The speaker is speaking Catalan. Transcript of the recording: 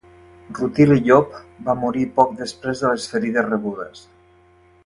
Rutili Llop va morir poc després de les ferides rebudes.